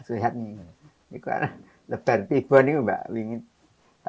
ini masih disaksikan oleh kebaikan kita